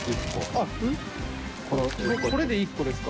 これで１個ですか？